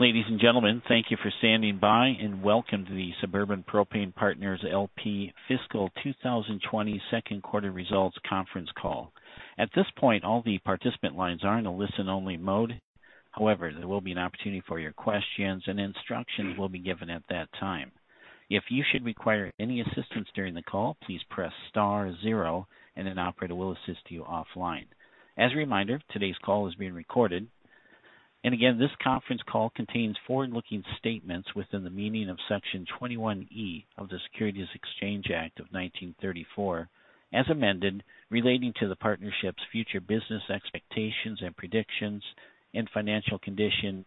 Ladies and gentlemen, thank you for standing by, and welcome to the Suburban Propane Partners, L.P. Fiscal 2020 Second Quarter Results Conference Call. At this point, all the participant lines are in a listen-only mode. However, there will be an opportunity for your questions, and instructions will be given at that time. If you should require any assistance during the call, please press star zero and an operator will assist you offline. As a reminder, today's call is being recorded. Again, this conference call contains forward-looking statements within the meaning of Section 21E of the Securities Exchange Act of 1934, as amended, relating to the partnership's future business expectations and predictions and financial condition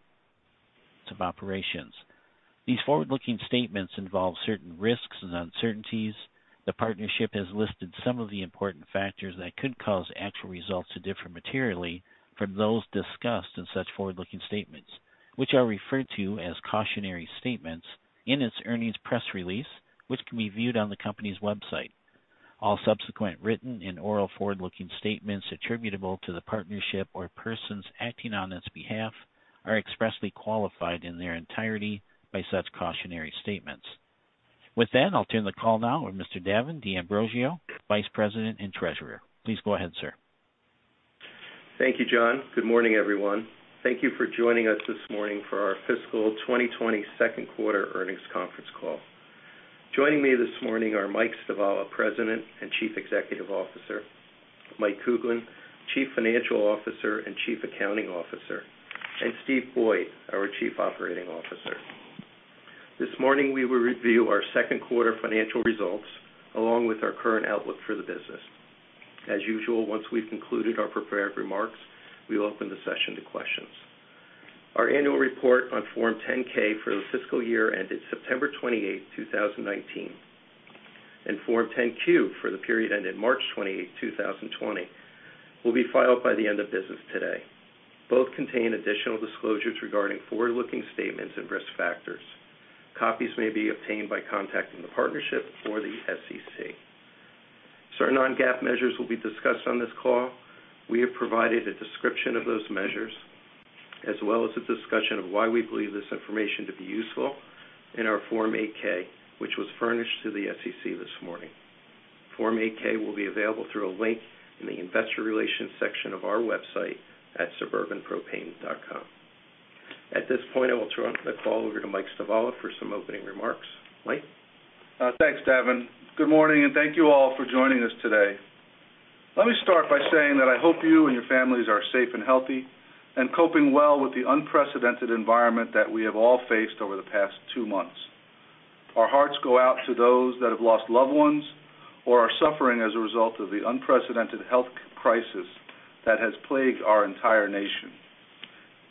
of operations. These forward-looking statements involve certain risks and uncertainties. The partnership has listed some of the important factors that could cause actual results to differ materially from those discussed in such forward-looking statements, which are referred to as cautionary statements in its earnings press release, which can be viewed on the company's website. All subsequent written and oral forward-looking statements attributable to the partnership or persons acting on its behalf are expressly qualified in their entirety by such cautionary statements. With that, I'll turn the call now with Mr. Davin D'Ambrosio, Vice President and Treasurer. Please go ahead, sir. Thank you, John. Good morning, everyone. Thank you for joining us this morning for our fiscal 2020 second quarter earnings conference call. Joining me this morning are Mike Stivala, President and Chief Executive Officer, Mike Kuglin, Chief Financial Officer and Chief Accounting Officer, and Steve Boyd, our Chief Operating Officer. This morning, we will review our second quarter financial results along with our current outlook for the business. As usual, once we've concluded our prepared remarks, we will open the session to questions. Our annual report on Form 10-K for the fiscal year ended September 28, 2019, and Form 10-Q for the period ended March 28, 2020, will be filed by the end of business today. Both contain additional disclosures regarding forward-looking statements and risk factors. Copies may be obtained by contacting the partnership or the SEC. Certain non-GAAP measures will be discussed on this call. We have provided a description of those measures, as well as a discussion of why we believe this information to be useful in our Form 8-K, which was furnished to the SEC this morning. Form 8-K will be available through a link in the investor relations section of our website at suburbanpropane.com. At this point, I will turn the call over to Mike Stivala for some opening remarks. Mike? Thanks, Davin. Good morning, thank you all for joining us today. Let me start by saying that I hope you and your families are safe and healthy and coping well with the unprecedented environment that we have all faced over the past two months. Our hearts go out to those that have lost loved ones or are suffering as a result of the unprecedented health crisis that has plagued our entire nation.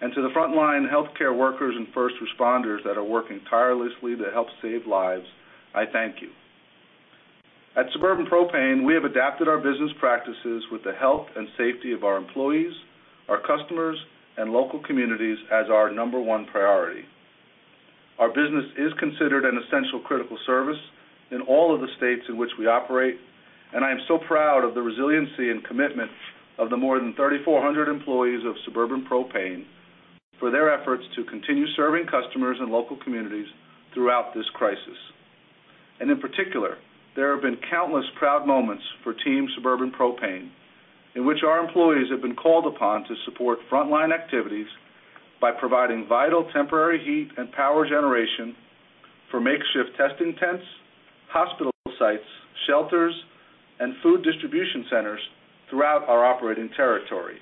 To the frontline healthcare workers and first responders that are working tirelessly to help save lives, I thank you. At Suburban Propane, we have adapted our business practices with the health and safety of our employees, our customers, and local communities as our number one priority. Our business is considered an essential critical service in all of the states in which we operate, and I am so proud of the resiliency and commitment of the more than 3,400 employees of Suburban Propane for their efforts to continue serving customers and local communities throughout this crisis. In particular, there have been countless proud moments for Team Suburban Propane, in which our employees have been called upon to support frontline activities by providing vital temporary heat and power generation for makeshift testing tents, hospital sites, shelters, and food distribution centers throughout our operating territory.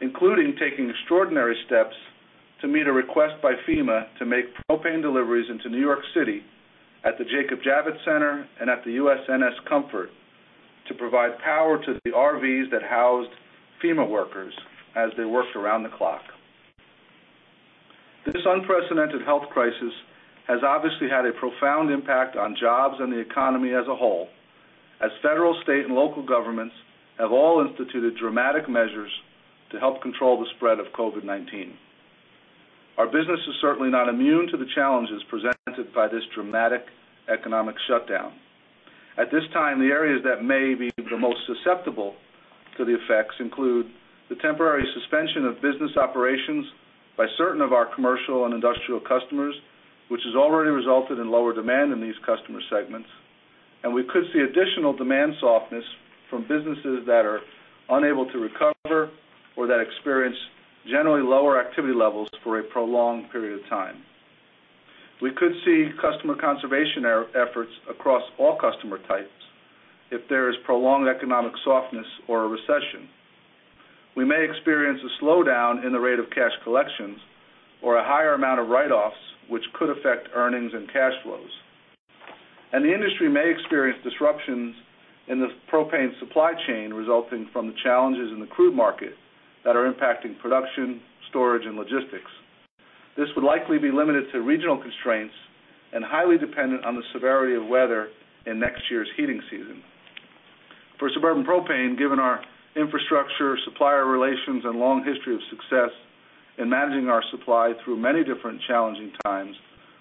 Including taking extraordinary steps to meet a request by FEMA to make propane deliveries into New York City at the Jacob Javits Center and at the USNS Comfort to provide power to the RVs that housed FEMA workers as they worked around the clock. This unprecedented health crisis has obviously had a profound impact on jobs and the economy as a whole, as federal, state, and local governments have all instituted dramatic measures to help control the spread of COVID-19. Our business is certainly not immune to the challenges presented by this dramatic economic shutdown. At this time, the areas that may be the most susceptible to the effects include the temporary suspension of business operations by certain of our commercial and industrial customers, which has already resulted in lower demand in these customer segments, and we could see additional demand softness from businesses that are unable to recover or that experience generally lower activity levels for a prolonged period of time. We could see customer conservation efforts across all customer types if there is prolonged economic softness or a recession. We may experience a slowdown in the rate of cash collections or a higher amount of write-offs, which could affect earnings and cash flows. The industry may experience disruptions in the propane supply chain resulting from the challenges in the crude market that are impacting production, storage, and logistics. This would likely be limited to regional constraints and highly dependent on the severity of weather in next year's heating season. For Suburban Propane, given our infrastructure, supplier relations, and long history of success in managing our supply through many different challenging times,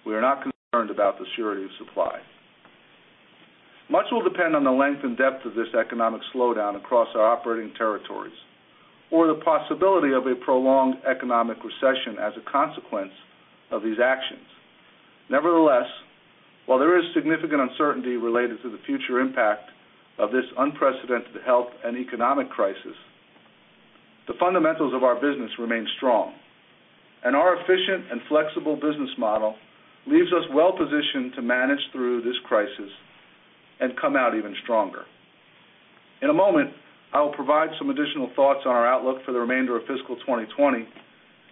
we are not concerned about the surety of supply. Much will depend on the length and depth of this economic slowdown across our operating territories, or the possibility of a prolonged economic recession as a consequence of these actions. Nevertheless, while there is significant uncertainty related to the future impact of this unprecedented health and economic crisis, the fundamentals of our business remain strong, and our efficient and flexible business model leaves us well-positioned to manage through this crisis and come out even stronger. In a moment, I will provide some additional thoughts on our outlook for the remainder of fiscal 2020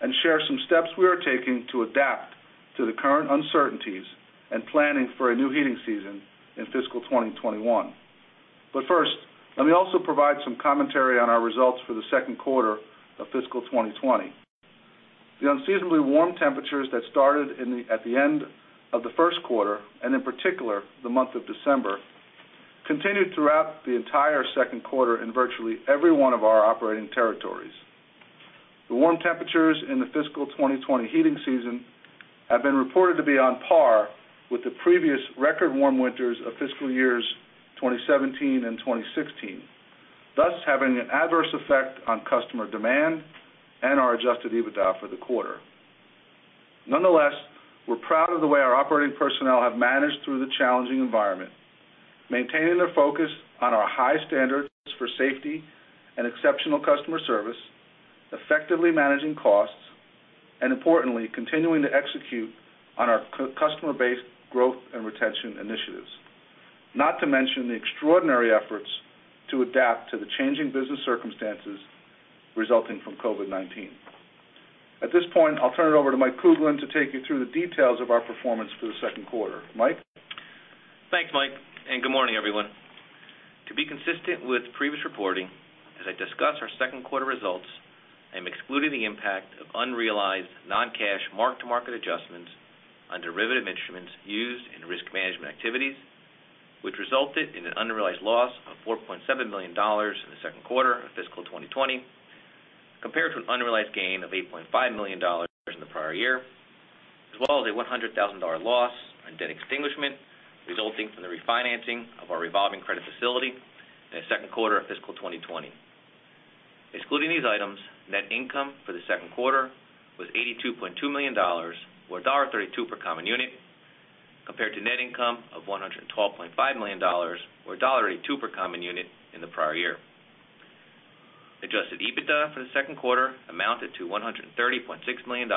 and share some steps we are taking to adapt to the current uncertainties and planning for a new heating season in fiscal 2021. First, let me also provide some commentary on our results for the second quarter of fiscal 2020. The unseasonably warm temperatures that started at the end of the first quarter, and in particular, the month of December, continued throughout the entire second quarter in virtually every one of our operating territories. The warm temperatures in the fiscal 2020 heating season have been reported to be on par with the previous record warm winters of fiscal years 2017 and 2016, thus having an adverse effect on customer demand and our adjusted EBITDA for the quarter. Nonetheless, we're proud of the way our operating personnel have managed through the challenging environment, maintaining their focus on our high standards for safety and exceptional customer service, effectively managing costs, and importantly, continuing to execute on our customer base growth and retention initiatives. Not to mention the extraordinary efforts to adapt to the changing business circumstances resulting from COVID-19. At this point, I'll turn it over to Mike Kuglin to take you through the details of our performance for the second quarter. Mike? Thanks, Mike, and good morning, everyone. To be consistent with previous reporting, as I discuss our second quarter results, I'm excluding the impact of unrealized non-cash mark-to-market adjustments on derivative instruments used in risk management activities, which resulted in an unrealized loss of $4.7 million in the second quarter of fiscal 2020, compared to an unrealized gain of $8.5 million in the prior year, as well as a $100,000 loss on debt extinguishment resulting from the refinancing of our revolving credit facility in the second quarter of fiscal 2020. Excluding these items, net income for the second quarter was $82.2 million, or $1.32 per common unit, compared to net income of $112.5 million or $1.82 per common unit in the prior year. Adjusted EBITDA for the second quarter amounted to $130.6 million,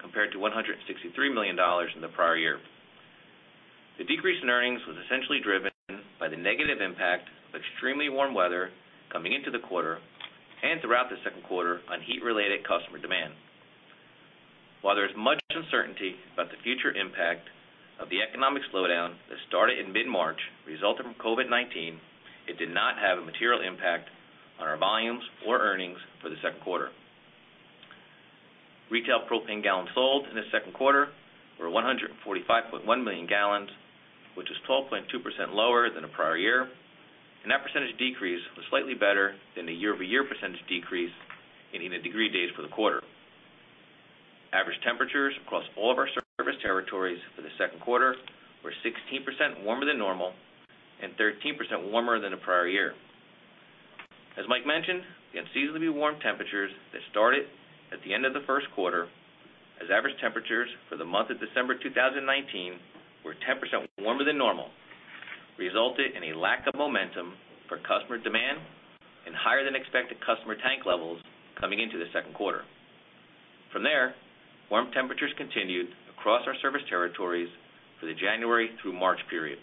compared to $163 million in the prior year. The decrease in earnings was essentially driven by the negative impact of extremely warm weather coming into the quarter and throughout the second quarter on heat-related customer demand. While there is much uncertainty about the future impact of the economic slowdown that started in mid-March resulting from COVID-19, it did not have a material impact on our volumes or earnings for the second quarter. Retail propane gallons sold in the second quarter were 145.1 million gallons, which is 12.2% lower than the prior year, and that percentage decrease was slightly better than the year-over-year percentage decrease in heating degree days for the quarter. Average temperatures across all of our service territories for the second quarter were 16% warmer than normal and 13% warmer than the prior year. As Mike mentioned, the unseasonably warm temperatures that started at the end of the first quarter as average temperatures for the month of December 2019 were 10% warmer than normal, resulted in a lack of momentum for customer demand and higher-than-expected customer tank levels coming into the second quarter. From there, warm temperatures continued across our service territories for the January through March period.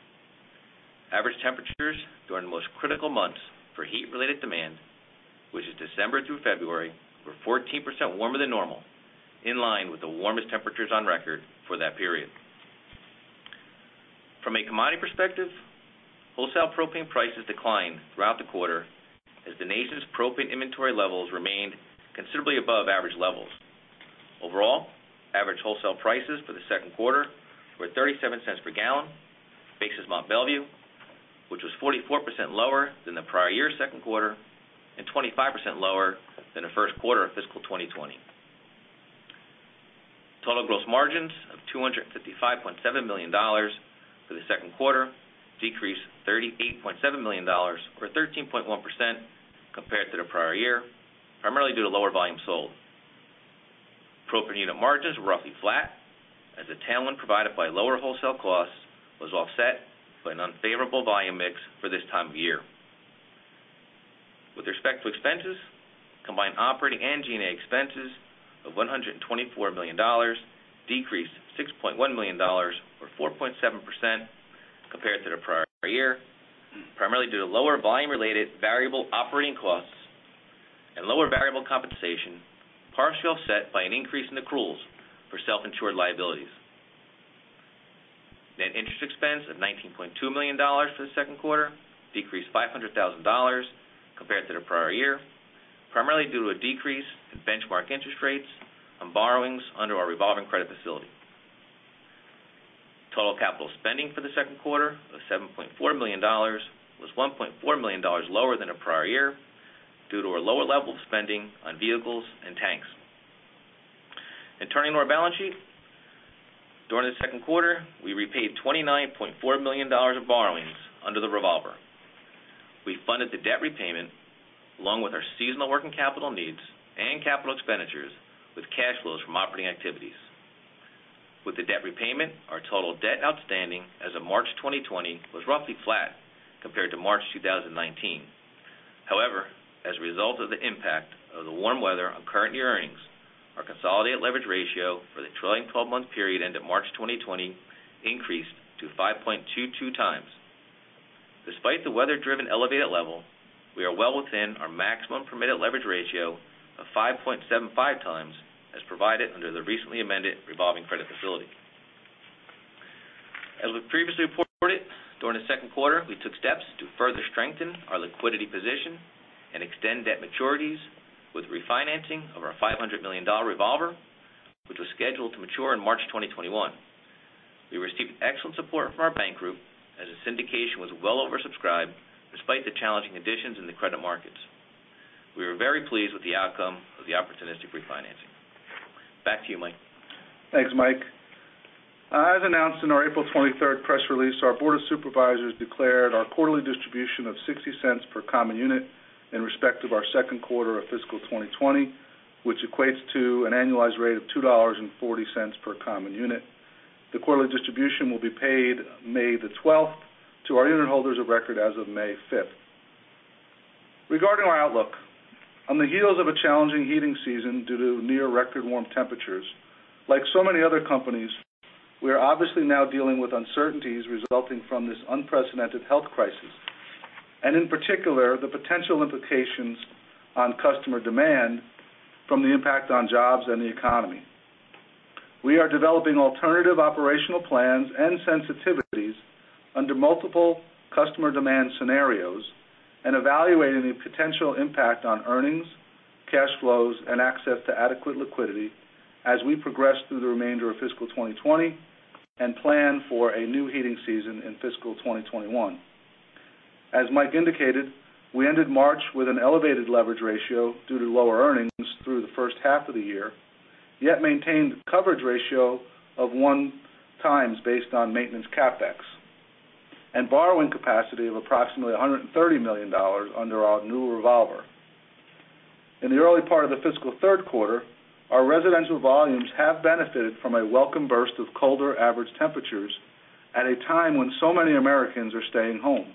Average temperatures during the most critical months for heat-related demand, which is December through February, were 14% warmer than normal, in line with the warmest temperatures on record for that period. From a commodity perspective, wholesale propane prices declined throughout the quarter as the nation's propane inventory levels remained considerably above average levels. Overall, average wholesale prices for the second quarter were $0.37 per gallon, basis Mont Belvieu, which was 44% lower than the prior year's second quarter and 25% lower than the first quarter of fiscal 2020. Total gross margins of $255.7 million for the second quarter decreased $38.7 million or 13.1% compared to the prior year, primarily due to lower volume sold. Propane unit margins were roughly flat as the tailwind provided by lower wholesale costs was offset by an unfavorable volume mix for this time of year. With respect to expenses, combined operating and G&A expenses of $124 million decreased $6.1 million, or 4.7%, compared to the prior year, primarily due to lower volume-related variable operating costs and lower variable compensation, partially offset by an increase in accruals for self-insured liabilities. Net interest expense of $19.2 million for the second quarter decreased $500,000 compared to the prior year, primarily due to a decrease in benchmark interest rates on borrowings under our revolving credit facility. Total capital spending for the second quarter of $7.4 million for lower levels of spending on vehicles and tanks. Turning to our balance sheet. During the second quarter, we repaid $29.4 million of borrowings under the revolver. We funded the debt repayment along with our seasonal working capital needs and capital expenditures with cash flows from operating activities. With the debt repayment, our total debt outstanding as of March 2020 was roughly flat compared to March 2019. However, as a result of the impact of the warm weather on current year earnings, our consolidated leverage ratio for the trailing 12-month period end of March 2020 increased to 5.22x. Despite the weather-driven elevated level, we are well within our maximum permitted leverage ratio of 5.75x, as provided under the recently amended revolving credit facility. As we previously reported, during the second quarter, we took steps to further strengthen our liquidity position and extend debt maturities with refinancing of our $500 million revolver, which was scheduled to mature in March 2021. We received excellent support from our bank group, as the syndication was well oversubscribed despite the challenging conditions in the credit markets. We were very pleased with the outcome of the opportunistic refinancing. Back to you, Mike. Thanks, Mike. As announced in our April 23rd press release, our Board of Supervisors declared our quarterly distribution of $0.60 per common unit in respect of our second quarter of fiscal 2020, which equates to an annualized rate of $2.40 per common unit. The quarterly distribution will be paid May the 12th to our unit holders of record as of May 5th. Regarding our outlook. On the heels of a challenging heating season due to near record warm temperatures, like so many other companies, we are obviously now dealing with uncertainties resulting from this unprecedented health crisis, and in particular, the potential implications on customer demand from the impact on jobs and the economy. We are developing alternative operational plans and sensitivities under multiple customer demand scenarios and evaluating the potential impact on earnings, cash flows, and access to adequate liquidity as we progress through the remainder of fiscal 2020 and plan for a new heating season in fiscal 2021. As Mike indicated, we ended March with an elevated leverage ratio due to lower earnings through the first half of the year, yet maintained coverage ratio of 1x based on maintenance CapEx, and borrowing capacity of approximately $130 million under our new revolver. In the early part of the fiscal third quarter, our residential volumes have benefited from a welcome burst of colder average temperatures at a time when so many Americans are staying home.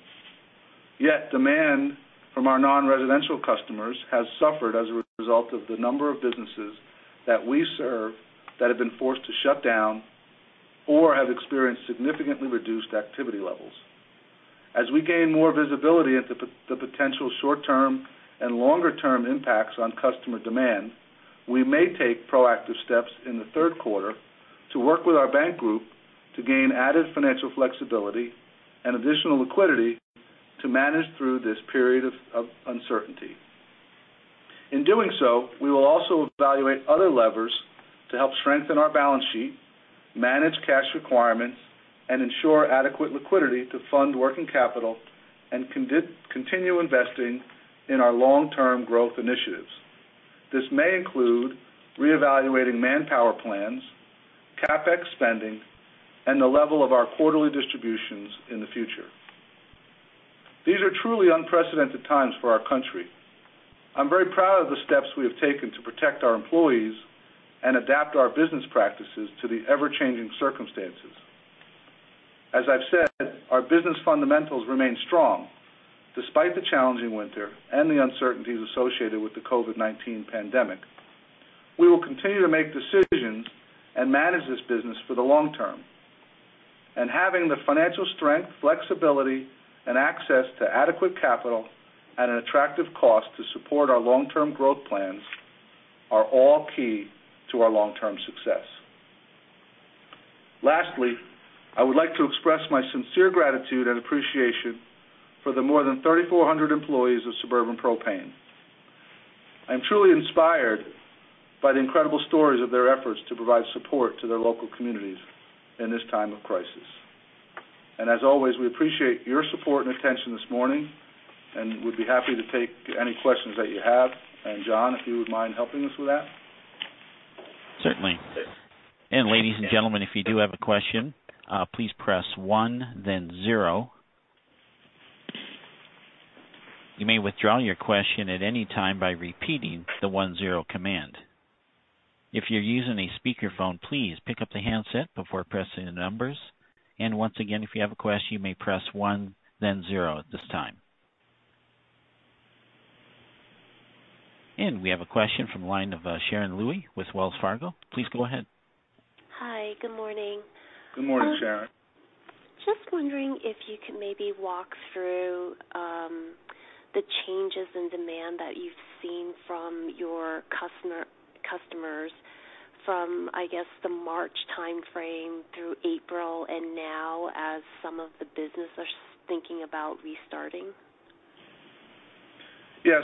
Yet demand from our non-residential customers has suffered as a result of the number of businesses that we serve that have been forced to shut down or have experienced significantly reduced activity levels. As we gain more visibility into the potential short-term and longer-term impacts on customer demand, we may take proactive steps in the third quarter to work with our bank group to gain added financial flexibility and additional liquidity to manage through this period of uncertainty. In doing so, we will also evaluate other levers to help strengthen our balance sheet, manage cash requirements, and ensure adequate liquidity to fund working capital and continue investing in our long-term growth initiatives. This may include reevaluating manpower plans, CapEx spending, and the level of our quarterly distributions in the future. These are truly unprecedented times for our country. I'm very proud of the steps we have taken to protect our employees and adapt our business practices to the ever-changing circumstances. As I've said, our business fundamentals remain strong despite the challenging winter and the uncertainties associated with the COVID-19 pandemic. We will continue to make decisions and manage this business for the long term, and having the financial strength, flexibility, and access to adequate capital at an attractive cost to support our long-term growth plans are all key to our long-term success. Lastly, I would like to express my sincere gratitude and appreciation for the more than 3,400 employees of Suburban Propane. I'm truly inspired by the incredible stories of their efforts to provide support to their local communities in this time of crisis. As always, we appreciate your support and attention this morning and would be happy to take any questions that you have. John, if you would mind helping us with that? Certainly. Ladies and gentlemen, if you do have a question, please press one then zero. You may withdraw your question at any time by repeating the one zero command. If you're using a speakerphone, please pick up the handset before pressing the numbers. Once again, if you have a question, you may press one then zero at this time. We have a question from the line of Sharon Lui with Wells Fargo. Please go ahead. Hi. Good morning. Good morning, Sharon. Just wondering if you could maybe walk through the changes in demand that you've seen from your customers from, I guess, the March timeframe through April and now as some of the business are thinking about restarting. Yeah.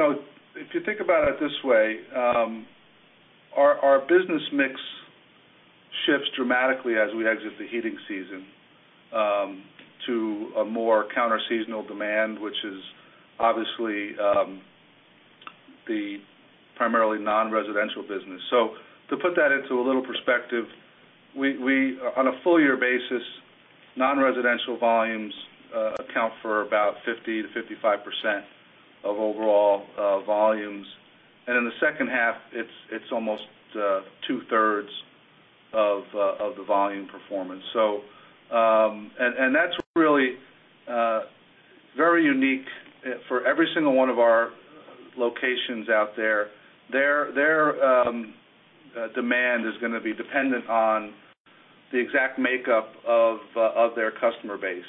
If you think about it this way, our business mix shifts dramatically as we exit the heating season to a more counter seasonal demand, which is obviously the primarily non-residential business. To put that into a little perspective, on a full year basis, non-residential volumes account for about 50%-55% of overall volumes. In the second half, it's almost 2/3 of the volume performance. That's really very unique for every single one of our locations out there. Their demand is going to be dependent on the exact makeup of their customer base.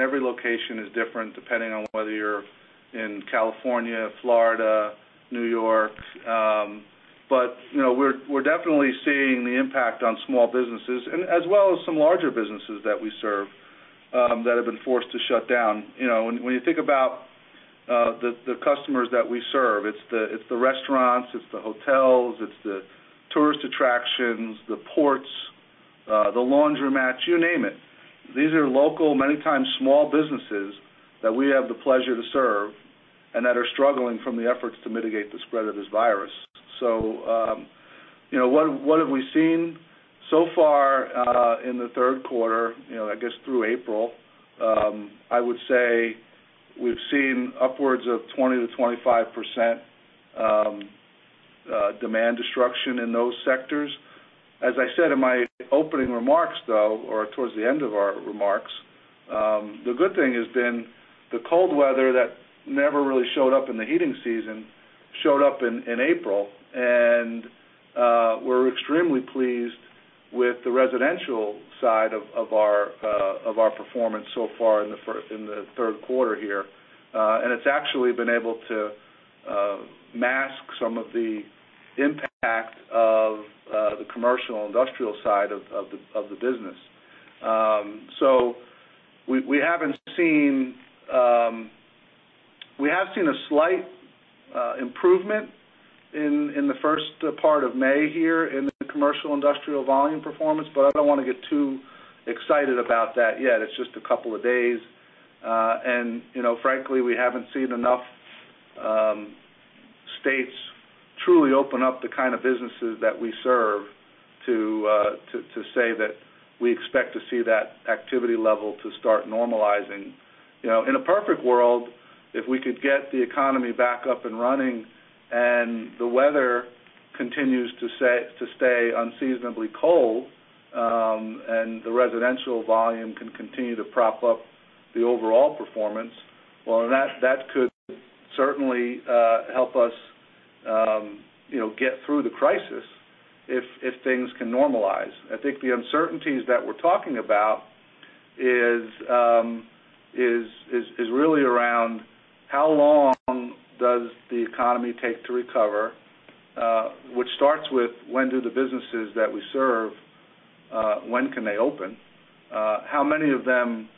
Every location is different depending on whether you're in California, Florida, New York. We're definitely seeing the impact on small businesses and as well as some larger businesses that we serve, that have been forced to shut down. When you think about the customers that we serve, it's the restaurants, it's the hotels, it's the tourist attractions, the ports, the laundromats, you name it. These are local, many times small businesses that we have the pleasure to serve and that are struggling from the efforts to mitigate the spread of this virus. What have we seen so far in the third quarter? I guess through April, I would say we've seen upwards of 20%-25% demand destruction in those sectors. As I said in my opening remarks, though, or towards the end of our remarks, the good thing has been the cold weather that never really showed up in the heating season showed up in April. We're extremely pleased with the residential side of our performance so far in the third quarter here. It's actually been able to mask some of the impact of the commercial industrial side of the business. We have seen a slight improvement in the first part of May here in the commercial industrial volume performance, but I don't want to get too excited about that yet. It's just a couple of days. Frankly, we haven't seen enough states truly open up the kind of businesses that we serve to say that we expect to see that activity level to start normalizing. In a perfect world, if we could get the economy back up and running and the weather continues to stay unseasonably cold, and the residential volume can continue to prop up the overall performance, well, that could certainly help us get through the crisis if things can normalize. I think the uncertainties that we're talking about is really around how long does the economy take to recover? Which starts with when do the businesses that we serve, when can they open? How many of them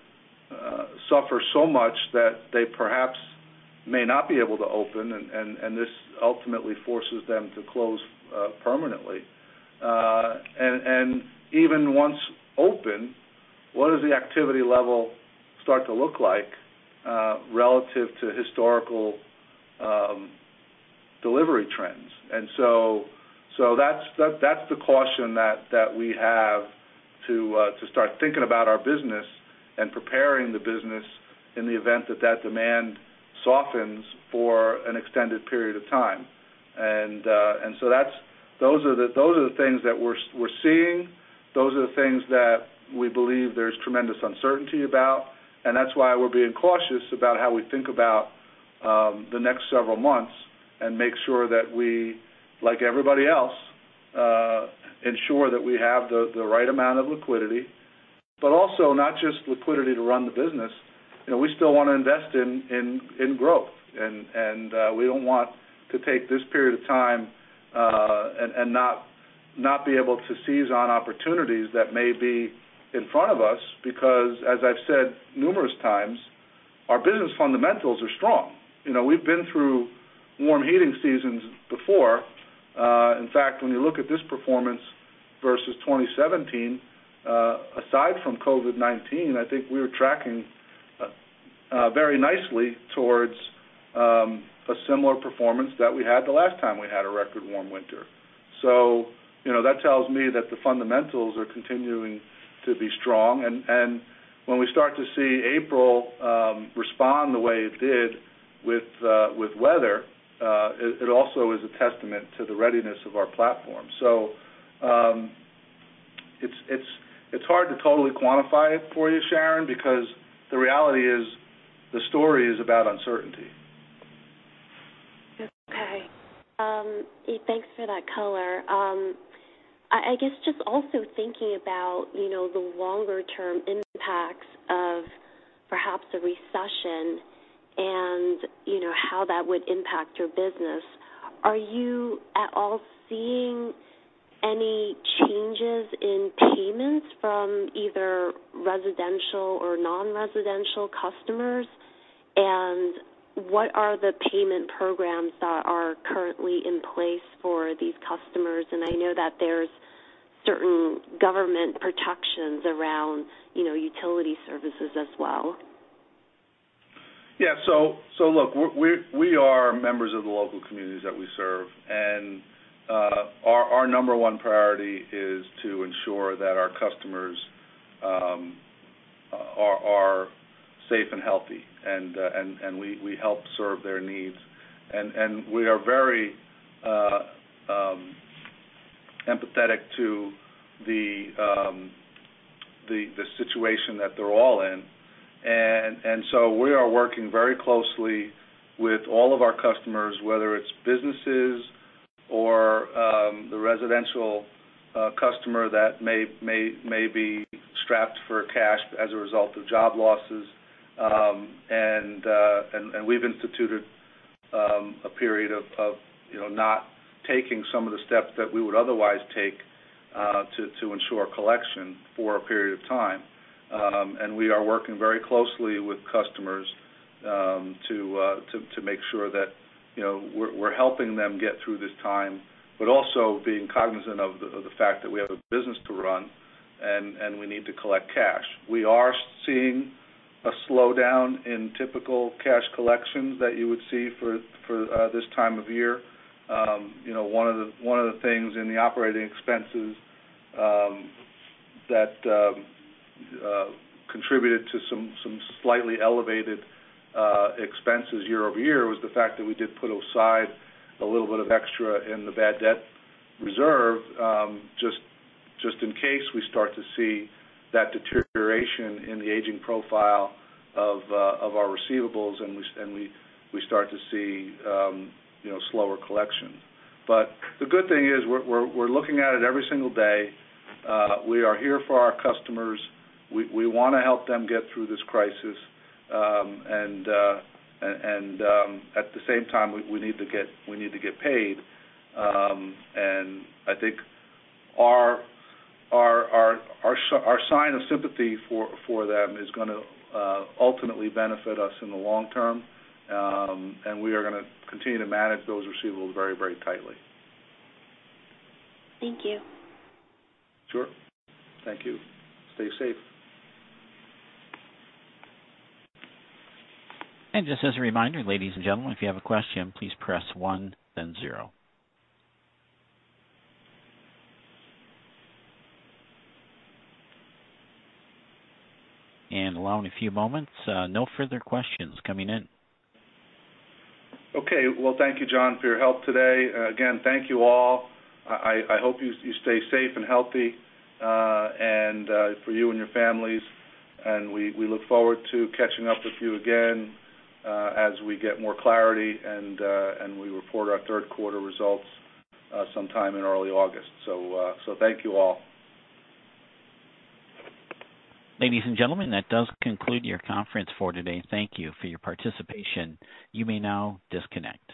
suffer so much that they perhaps may not be able to open, and this ultimately forces them to close permanently. Even once open, what does the activity level start to look like, relative to historical delivery trends? That's the caution that we have to start thinking about our business and preparing the business in the event that demand softens for an extended period of time. Those are the things that we're seeing. Those are the things that we believe there's tremendous uncertainty about. That's why we're being cautious about how we think about the next several months and make sure that we, like everybody else, ensure that we have the right amount of liquidity. Also not just liquidity to run the business, we still want to invest in growth. We don't want to take this period of time, and not be able to seize on opportunities that may be in front of us because as I've said numerous times, our business fundamentals are strong. We've been through warm heating seasons before. In fact, when you look at this performance versus 2017, aside from COVID-19, I think we were tracking very nicely towards a similar performance that we had the last time we had a record warm winter. That tells me that the fundamentals are continuing to be strong. When we start to see April respond the way it did with weather, it also is a testament to the readiness of our platform. It's hard to totally quantify it for you, Sharon, because the reality is the story is about uncertainty. Okay. Thanks for that color. I guess just also thinking about the longer term impacts of perhaps a recession and how that would impact your business. Are you at all seeing any changes in payments from either residential or non-residential customers? What are the payment programs that are currently in place for these customers? I know that there's certain government protections around utility services as well. Yeah. Look, we are members of the local communities that we serve, and our number one priority is to ensure that our customers are safe and healthy, and we help serve their needs. We are very empathetic to the situation that they're all in. We are working very closely with all of our customers, whether it's businesses or the residential customer that may be strapped for cash as a result of job losses. We've instituted a period of not taking some of the steps that we would otherwise take to ensure collection for a period of time. We are working very closely with customers to make sure that we're helping them get through this time, but also being cognizant of the fact that we have a business to run and we need to collect cash. We are seeing a slowdown in typical cash collections that you would see for this time of year. One of the things in the operating expenses that contributed to some slightly elevated expenses year-over-year was the fact that we did put aside a little bit of extra in the bad debt reserve, just in case we start to see that deterioration in the aging profile of our receivables, and we start to see slower collections. The good thing is we're looking at it every single day. We are here for our customers. We want to help them get through this crisis, and at the same time, we need to get paid. I think our sign of sympathy for them is going to ultimately benefit us in the long term. We are going to continue to manage those receivables very tightly. Thank you. Sure. Thank you. Stay safe. Just as a reminder, ladies and gentlemen, if you have a question, please press one then zero. Allow me a few moments. No further questions coming in. Okay. Well, thank you, John, for your help today. Again, thank you all. I hope you stay safe and healthy, and for you and your families. We look forward to catching up with you again, as we get more clarity and we report our third quarter results sometime in early August. Thank you all. Ladies and gentlemen, that does conclude your conference for today. Thank you for your participation. You may now disconnect.